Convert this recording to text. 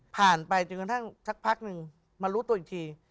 ไปจนกระทั่งสักพักหนึ่งมารู้ตัวอีกที